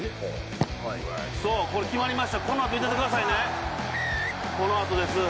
これ、決まりました、この後見ててくださいね、この後です。